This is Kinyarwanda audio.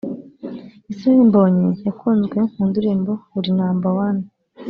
Israel Mbonyi yakunzwe mu ndirimbo Uri number One